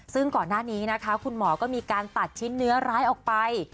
ซึ่งก่อนหน้านี้นะคะคุณหมอก็มีการตัดชิ้นเนื้อร้ายออกไป